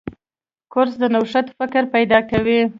کورس د نوښت فکر پیدا کوي.